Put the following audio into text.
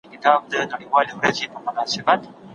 نه خرقه پوش نه پر منبر د پرهېز لاپي کوي